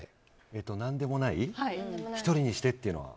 何でもない１人にしてというのは。